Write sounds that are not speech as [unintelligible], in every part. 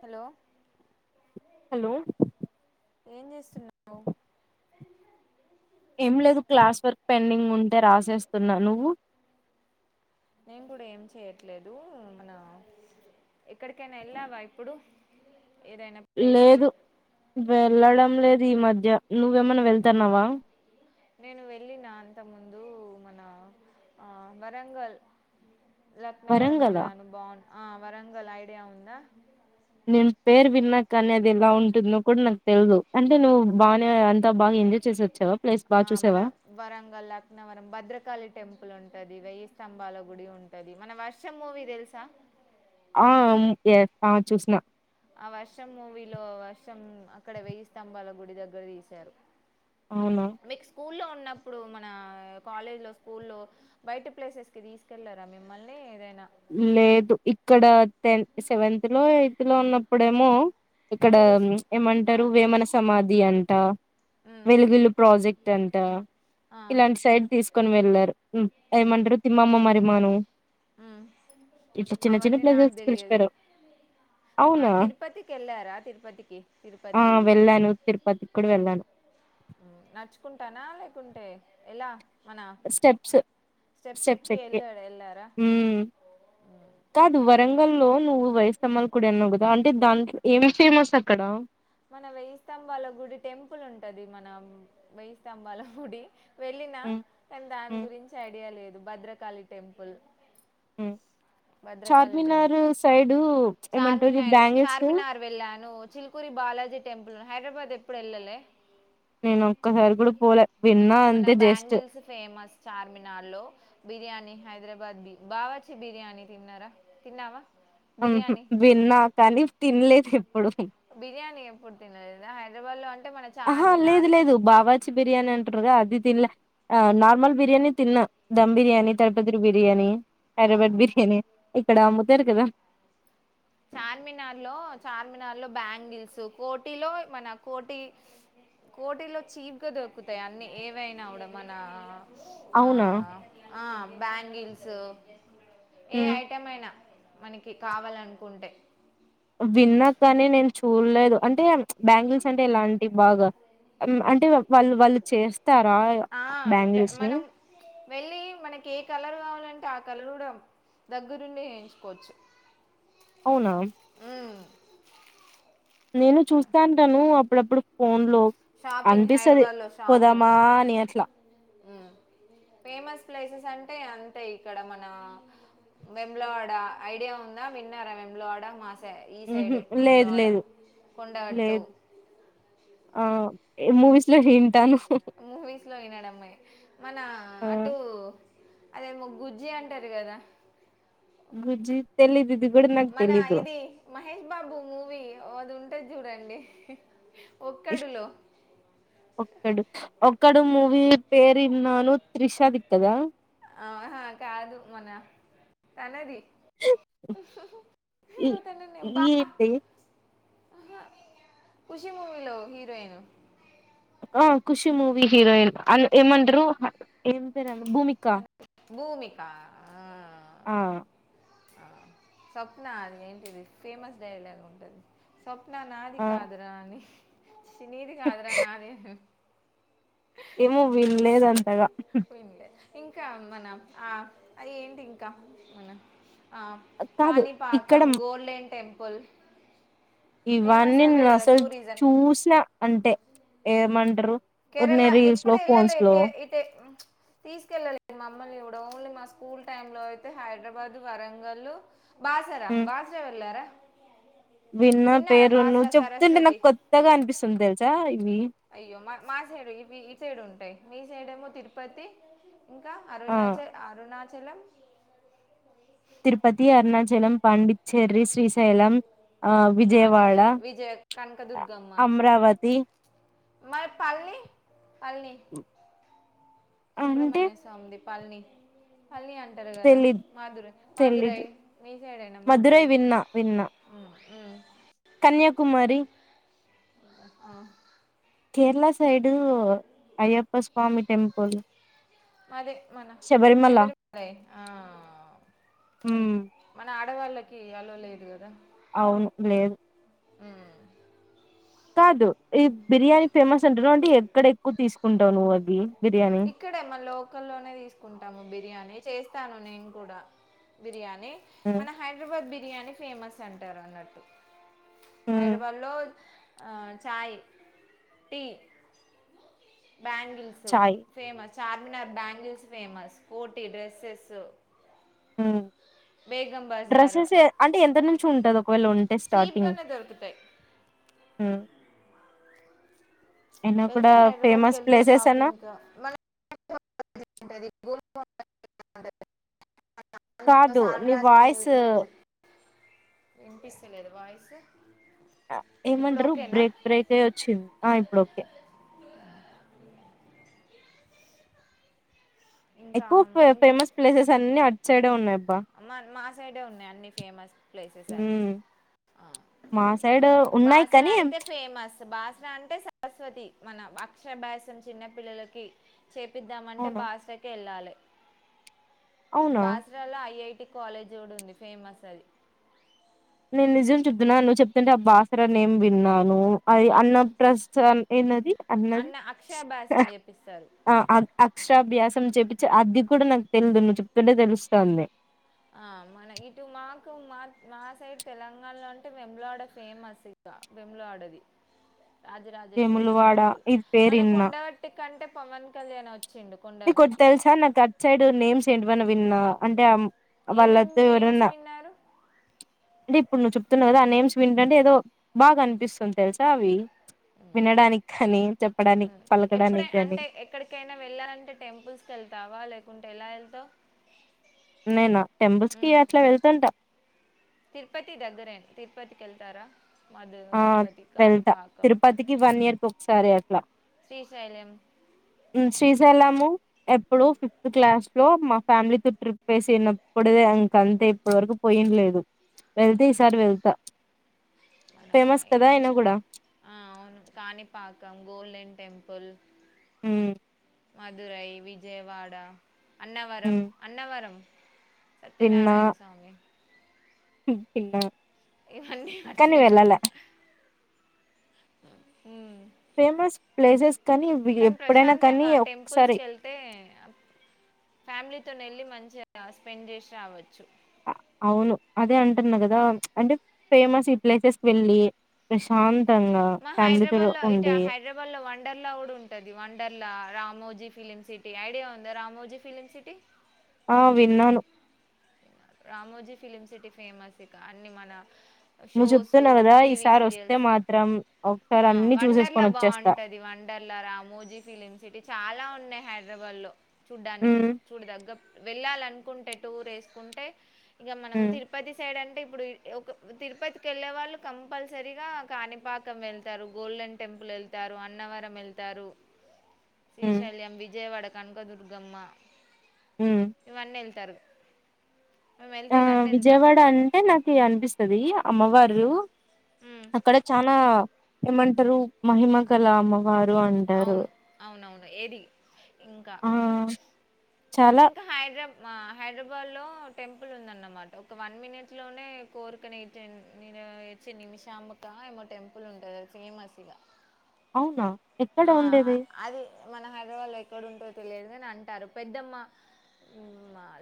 Hello hello ఏం చేస్తున్నావ్ ఏం లేదు క్లాస్ వర్క్ పెండింగ్ ఉంటే రాసేస్తున్నా నువ్వు నేను కూడా ఏం చేయట్లేదు మన ఎక్కడికైనా ఎళ్ళావా ఇప్పుడు ఏదైనా ప్లేస్కి లేదు వెళ్ళడం లేదు ఈ మధ్య నువ్వేమన్న వెళ్తన్నవా నేను వెళ్ళిన అంత ముందు మన ఆ వరంగల్ లక్నవరం వరంగలా ఎళ్ళాను బావు ఆ వరంగల్ ఐడియా ఉందా నేను పేరు విన్నా కని అది ఎలా ఉంటుందో కూడా నాకు తెలిదు అంటే నువ్ బానే అంతా బాగా ఎంజాయ్ చేసొచ్చావా ప్లేస్ బా మన చూసావా [unintelligible] ఉంటది వెయ్యి స్తంభాల గుడి ఉంటది మన వర్షం మూవీ తెలుసా ఆ ము ఎ ఆ చూసిన ఆ వర్షం మూవీలో వర్షం అక్కడ వెయ్యి స్తంభాల గుడి దగ్గర తీశారు అవునా మీకు స్కూల్ లో ఉన్నప్పుడు మన కాలేజ్ లో స్కూలో బైటి ప్లేసెస్ కి తీసుకెళ్లరా మిమ్మల్ని ఏదైనా లేదు ఇక్కడ టెన్ సెవెంత్ లో ఎయిత్ లో ఉన్నప్పుడేమో ఇక్కడ టూర్స్కి ఆ, ఏమంటరు వేమన సమాధి అంట ఉమ్, వెలుగులు ప్రాజెక్ట్ అంట ఆ, ఇలాంటి సైడ్ తీసుకొని వెళ్ళారు హ్మ్ ఉమ్, ఎమంటరు తిమ్మమ్మ మర్రి మాను ఉమ్. ఇట్ల చిన్న చిన్న అవన్నీ నాకు ప్లేసెస్ తెలియదు పిలిచిపోయిరు మా అవునా తిరుపతికి వెళ్ళారా తిరుపతికి ఆ తిరుపతి వెళ్ళాను తిరుపతికి కూడా వెళ్ళాను నచ్చుకుంటానా లేకుంటే ఎలా మన స్టెప్స్ స్టెప్స్ ఎక్కి స్టెప్స్కి వెళ్ళాడు వెళ్ళారా హ్మ్ కాదు తిరుపతి వరంగలో నువ్వు వయసు తమ్మల్ కుడి అన్నావ్ కదా అంటే దాంట్లో ఏం ఫేమస్ అక్కడ మన వెయ్యి స్తంభాల గుడి టెంపుల్ ఉంటది మన వెయ్యి స్తంభాల గుడి వెళ్ళినా హ్మ్. కానీ దాని హ్మ్. గురించి ఐడియా లేదు భద్రకాళి టెంపుల్ హ భద్రకాళీ టెంపుల్ ఏమంటారు ఈ చార్మినార్ బ్యాంగిల్స్ చార్మినార్ వెళ్ళాను చిల్కురి బాలాజీ టెంపుల్ హైదరాబాద్ ఎప్పుడు వెళ్ళాలే నేను ఒక్కసారి కూడా పోలే విన్నా మన అంతే జస్ట్ బ్యాంగిల్స్ ఫేమస్ చార్మినార్ లో బిర్యానీ హైదరాబాద్ బి బావర్చి బిర్యానీ తిన్నారా తిన్నావా బిర్యానీ విన్నా కాని తినలేదు ఎప్పుడు బిర్యానీ ఎప్పుడు తినలేదా హైదరాబాద్ లో ఆహా లేదు లేదు బావర్చి బిర్యానీ అంట అది తిన్లే నార్మల్ బిర్యాణి తిన్న ధమ్ బిర్యానీ తాడిపత్రి బిర్యానీ ఆ. హైదరాబాద్ బిర్యానీ ఇక్కడ అమ్ముతారు కదా చ చార్మినార్ లో చార్మినార్ లో బ్యాంగిల్స్ కోటిలో మన కోటి కోటిలో చీప్ గా దొరుకుతాయి అన్ని ఏవైన కూడా మన ఆ అవునా? ఆ బ్యాంగిల్స్ ఏ హ్మ్. ఐటెం అయినా మనకి కావాలనుకుంటే విన్నా కానీ నేను చూడలేదు అంటే బ్యాంగిల్స్ అంటే ఇలాంటివి బాగా అంటే వాళ్ళు వాళ్ళు చేస్తారు ఆ మనం వెళ్ళి మనకి ఏ కలర్ కావాలంటే ఆ కలర్ కూడా దగ్గరుండి వేయించుకోవచ్చు అవునా అ నేను చూస్తా వుంటాను అప్పుడప్పుడు ఫోన్ లో షాపింగ్ అనిపిస్తుది హైదరాబాద్లో షాపింగ్ పోదామాని అట్లా ఫేమస్ ప్లేసెస్ అంటే అంతే ఇక్కడ మన వేములవాడ ఐడియా ఉందా విన్నారా వేములవాడ మాస స ఈ హుహు. సైడ్ లేదు వేములవాడ లేదు. కొండగట్టు మూవీస్ లో వింటాను మూవీస్ లో వినమే మన ఆ! అటు అదేమో గుజ్జి అంటారు కదా గుజ్జి తెలిదు ఇది కూడా నాకు మన తెలీదు ఓ అది ఉంటుది చూడండి ఒక్కడులో డు ఒక్కడు మూవీ పేరువిన్నాను త్రిషది ఇ కదా ఆహా కాదు మన తనది ఈ హీరో తన బా ఏంటి ఆహా ఖుషి మూమిలో హీరోయిను ఆ ఖుషి మూవీ హీరోయిన్ అ యమంటర్రు ఏం పేరు భూమిక ఆ ఆ ఆ ఆ స్వప్న అది ఏంటిది ఫేమస్ డైలాగ్ ఉంటది స్వప్న నాది ఆ కాదరా అని నీది కాదుర నాది ఏమో వీల్లేఅంతగా పోయిందిలే ఇంకా మన ఆ అ ఏంటి ఇంకా మన ఆ కాదు ఇక్కడ కానీపాకం గోల్డెన్ టెంపుల్ ఫేమస్ ఇవన్నీ న అవే కదా అసలు టూరిజం చూసినా అంటే ఏమంటారు కేరళ ఉన్నాయి రీల్స్ ఎప్పుడ లో వెళ్ళలే ఫోన్స్ లో ఇయితే తీసుకెళ్ళలేి మమ్మల్ని ఇ ఓన్లీ మా స్కూల్ టైమ్ లో అయితే హైదరాబాద్ వరంగల్ బాసర ఉమ్, బాసర వెళ్ళార విన్న పేరు ను్ బాసరా చెప్తుంటే సరస్వతి నాకు కొత్తగా అనిపిస్తుంది తెలుసా ఇవి అయ్యో మా మా సైడు ఈ సైడు ఉంటాయి మీ సైడేమో తిరుపతి ఇంకా ఆ అరుణాచల్ అరుణాచలం తిరుపతి అరుణాచలం పాండిచ్చేరి శ్రీశైలం ఆ విజయవాడ శ్రీశైలం విజయ కనకదుర్గమ్మ అమరావతి మరి పల్ని పల్ని అంటే సుబ్రమణ్య స్వామి ద పాలని పాల్నీ అంటారు కదా తెలీదు మధురై మధురై తెలీదు మీ సైడ్యినా మధురై చిన్న ఆవును కన్యాకుమారి ఆ కేరళ సైడు అయ్యప్ప స్వామి టెంపుల్ మాది మన శబరిమల శబరి ఉమ్ మన ఆడవాళ్ళకి ఎలో లేదు కదా అవును లేదు హ్మ్మ్ కాదు ఈ బిర్యానీ ఫేమస్ అంటును అంటే ఎక్కడ ఎక్కువ తీసుకుంటావు నువ్వు అవి బిర్యానీ ఇక్కడే మన లోకల్లోనే తీసుకుంటాము బిర్యానీ చేస్తాను నేను కూడా బిర్యాని ఉమ్ మన హైదరాబాద్ బి బిర్యానీ ఫేమ అంటారు ఉమ్ హైదరాబాద్ లో చాయ్ టీ బ్యాంగిల్సు చాయ్ famous Charminar bangles famous Ooty dresses Begum Bazar dresses అంటే ఎంత నుంచి ఉంటద ఒకవేళ ఉంటే స్టార్టింగ్ చీప్గానే దొరుకుతాయి అయినా కూడా వెళ్తే హైదరాబాద్కి ఫేమస్ వెళ్తే ప్లేసెస్ అన్నా షాపింగ్ మన ది [unintelligible] కాదు నీ వాయిస్ వినిపిస్త లేదా వాయిసు ఏమంటారు బ్రేక్ బ్రేక్ అయ వచ్చింది ఆ ఇప్పుడు ఓకే ఇంకా ఎక్కువ ఇంకా ఫేమస్ ప్లేసెస్ అన్నిీ అటు సైడే ఉన్నాయిబ్బా మా మా సైడే ఉన్నాయి అన్నిీ ఫేమస్ ప్లేసెస్ అన్ని హ్మ్ మా సైడ్ ఉన్నాయి బాసర కానీ అయితే ఫేమస్ బాసరా అంటే సరస్వతి మనం అక్షభ్యాసం చిన్న పిల్లలకి చేపిద్దామంటే అవునా బాసరాకి వెళ్ళాలి అవునా బాసరాలో ఐఐ ఇ కాలేజ్ కూడా ఉంది ఫేమస్ అది నేను నిజం చప్తున్నాను నువ్వు చెప్తుంటే ఆ బాసరా న ఏం విన్నాను అది అన్నప్రస్థ అది అన్నది అన్న అక్షరాభ్యాసం చేపిస్తారు అక్షరాభ్యాస చెప్పి అది కూడా నాకు తెలిదు నువ్వు చెప్తుంటే తెలుస్తోంది నాకు మా మా సైడ్ తెలంగాణలో అంటే వెములవాడ ఫేమస్ ఇక వెములవాడది రాజరాజేశ్వరి వేములవాడ టెంపుల్ ఇది పేరు మన విన్నా కొండ గట్టు కంటే పవన్ కళ్యాణ్ వచ్చ ఇ కొటి తెలుసా నా కట్ సైడ్ నేమ్స్ ఏంటివన్నా విన్నా అంటే ఏమేం వాళ్ళతో నేమ్స్ ఎవరన్నా విన్నారు అంటే ఇప్పుడు నువ్వు చెప్తున్నావు కదా ఆ నేమ్స్ వింటంటే ఏదో బాగా అనిపిస్తుంది తెలుసా అవి వినడానికి కానీ చెప్పడానికి ఉమ్. పలకడానికి కానీ టెంపుల్స్ కి వెళ్తావా లేకుంటే ఎలా వెళ్తావ్ నేనా టెంపుల్స్ కి అట్లా వెళ్తుంటా తిరుపతి దగ్గరేన్ తిర్పతి కెళ్తారా ఆ వెళ్తా తిరుపతికి వన్ ఇయర్ కొకసారి అట్లా శ్రీ ‌శైలెం వెళ్లాము ఎప్పుడో ఫిఫ్త్ క్లాస్ లో మా ఫ్యామిలీతో ట్రిప్ ఏసేనప్పుడిదే ఇంకంతే ఇప్పుటి వరకు పోయ్యిండ్లేదు వెళ్తే ఈసారి వెళ్తా ఫేమస్ కదా అయినా కూడా [inaudible] ఆ అవును కాణిపాకం గోల్డెన్ టెంపల్ ఊ మధురై విజయవాడ అన్నవరం ఉమ్ అన్నవరం సత్యనారాయణ సామి ఇబ్ పిండం ఇవన్నీ [unintelligible] ఫేమస్ ప్లేసెస్ ఇవి కానీ ఎప్పుడైనా కానీ ప్రశాంతంగా టెంపుల్స్ ఒకసారి కెళ్తే ఫ్యామిలీతోని ఎళ్ళి మంచిగా స్పెండ్ చేసి రావచ్చు అవును అదే అంటున్నా కదా అంటే ఫేమస్ ఈ ప్లేసెస్ కి వెళ్ళి ప్రశాంత్ మా హైడ్రాబాద్ లో ఇటు హైడ్రాబాద్ లో వండర్ లా కూడా ఉంటది వండర్లా రా మోజీ ఫ సిటీ ఐడియా ఉందా రామోజీ ఫ సిటీ ఆ విన్నాను రామోజీ ఫిలిమ్ సిటీ ఫేమస్ ఇక అన్ని మన నువ్వు షోస్ చెప్తున్నావు కదా టీవీ ఈసారి వస్తే సీరియల్స్ మాత్రం ఒకసారి అన్ని చూసేసుకొని వచ్చేస్తా డర్ల రామోజీ ఫిలిమ్ సిటీ చాలా ఉన్నాయి హైదరాబాద్ లో చూడ్డానికి హ్మ్ చూడదగ్గ వెళ్ళాల అనుకుంటే టూర్ వేసుకుంటే ఇక మనం హ్మ్ తిరుపతి సైడ్ అంటే ఇప్పుడు ఒక తిరుపతికి వెళ్ళలే వాళ్ళు కంపల్సరీగా కాణిపాకం వెళ్తారు గోల్డెన్ టెంపుల్ వెళ్తారు అన్న వ వెతారు హ్మ్ శ్రీశల్యం విజయవాడ కనకదుర్గమ్మ హ్మ్ ఇవన్నీ వెళ్తారు మేము ఆ వెళ్తే ఇవన్నీ వెళ్తాం విజయవాడ అంటే నాకు అనిపిస్తుంది అమ్మవారు హ్మ్ హ్మ్ అక్కడ చాలా ఏమంటారు మహిమ కళ అమ్మ వారు అంటారు అవును. అవునవును. ఏది ఇంకా ఆ చాలా ఇంకా హైద హైదరాబాద్ లో టెంపుల్ ఉందన్నమాట ఒక వన్ మినిట్ లోనే కోరికని నిమిషాంమకా ఏమో టెంపుల్ ఉంటదిది ఫేమస్ ఇక అవునా ఎక్కడ ఆ ఉండేది అది మన హైదరాబాద్ లో ఎక్కడుంటో తెలియదు అని అంటారు పెద్దమ్మ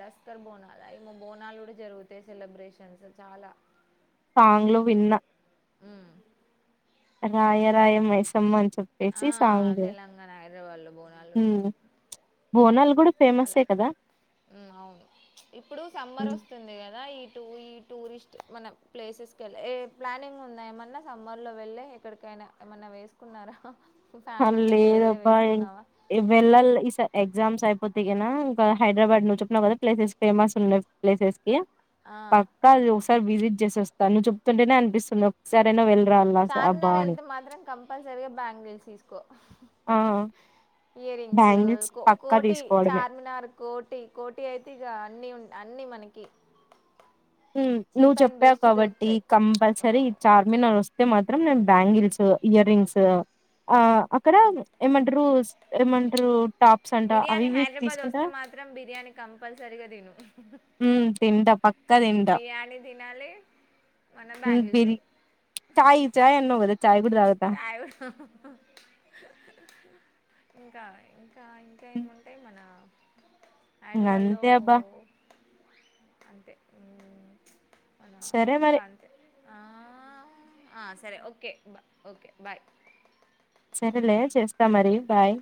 లస్కర్ బోనాలు అవి మా బోనాలు కూడా జరుగుతాయి సెలబ్రేషన్స్ చాలా సాంగ్లు విన్న అ రాయ రాయ మైసమ్మ అని చెప్పేసి ఆ సాంగ్ తెలంగాణ హైదరాబాద్ లో బోనాలు హ్మ్. బోనాలు గూడా చాలా ఫేమస్సే కదా! అవును ఇప్పుడు సమ్మర్ హ్మ్. వస్తుంది కదా ఈ టూ ఈ టూ టూరిస్ట్ మన ప్లేసెస్ కెళ్ళ ఏ ప్లానింగ్ ఉంద ఏమన్నా సమ్మర్ లో వెళ్ళి ఎక్కడికైనా ఏమన్నా చేసుకున్నారా అ లేదబ్బా వెెళ్ళ ఈస ఎగ్జామ్స్ అయిపోతయి క ఇంకా హైదరాబాద్ నుూ చున్నావు కదా ప్లేసెస్ ఫేమస్ ఉన్నాయి ప్లేసెస్ కి ఆ పక్కా అది ఒకసారి విజిట్ చేస వస్తాను నువ్వు చెప్తుంటేనే అనిపిస్తుంది ఒకసారినా వె ఛార్మినార్ వెళ్తే మాత్రం కంపల్సరీగా బ్యాంగిల్స్ తీసుకో ఆ ఇయర్ రింగ్సు బ్యాంగిల్స్ కో పక్కా కోటి తీసుకోవడమే. చార్మినార్ కోటి కోటి అయితే ఇక అన్నీ ఉన్ అన్నీ మనకి ఉ నువ్వు చీప్ అండ్ చెప్పావ్ బెస్ట్ కాబట్టి దొరుకుతాయి ఓ కంపల్సరీ చార్మినార్ వస్తే మత్ త్రం నేను బ్యాంగిల్సు ఇయర్ రింగ్సు ఓ ఆ అక్కడ ఏమంటారుస్ ఏమంటారు టాప్స్ అంట అవి బిర్యానీ ఇవి హైదరాబాద్ తీసుకుంటా? వస్తే మాత్రం బిర్యానీ కంపల్సరీగా తిను. ఉ తింటా పక్ క తింటా బిర్యానీ తినాలి మన ఉ బ్యాంగిల్స్ బిరి చాయ్ చాయ్ అన్నావు గద చాయి ఇంకా ఇంక్ అ హైదరాబాద్లో అబ్బా! అంతే ఉ సరే మరి ఆ ఆ సరే ఓకే బా ఓకే బాయ్ సరేలే చేస్తా మరి బాయ్